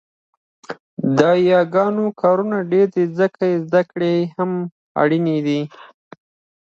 د یاګانو کارونه ډېره ده ځکه يې زده کړه هم اړینه ده